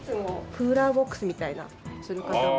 クーラーボックスみたいなする方も。